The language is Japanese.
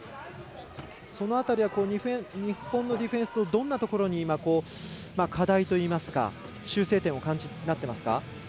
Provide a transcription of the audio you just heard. その辺りは日本のディフェンスのどんなところに課題といいますか修正点をお感じになってますか？